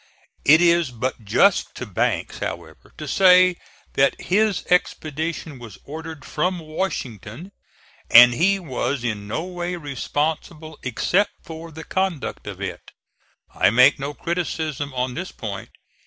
It is but just to Banks, however, to say that his expedition was ordered from Washington and he was in no way responsible except for the conduct of it. I make no criticism on this point.